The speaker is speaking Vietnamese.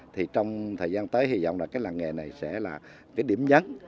thì trong thời gian tới hy vọng là cái làng nghề này sẽ là cái điểm nhấn